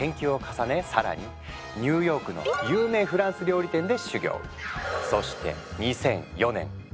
更にニューヨークの有名フランス料理店で修業。